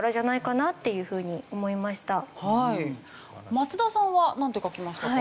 松田さんはなんて書きましたか？